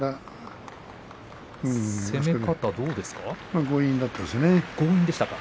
攻め方どうでしたか？